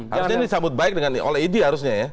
harusnya ini disambut baik dengan all idea harusnya ya